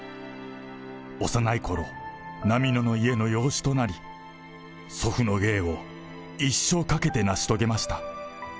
幼いころ、波野の家の養子となり、祖父の芸を一生かけて成し遂げました。